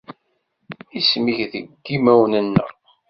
Isem-ik deg yimawen-nneɣ.